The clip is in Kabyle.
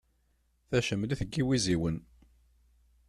Tacemlit n yiwiziwen.